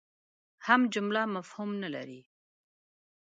هم جمله مفهوم نه لري.